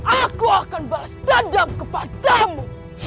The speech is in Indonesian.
aku akan balas dandam kepada mu